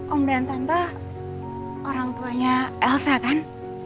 om dan tante orang tuanya elsa kan